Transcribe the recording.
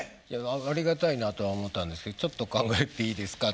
ありがたいなとは思ったんですけど「ちょっと考えていいですか」と。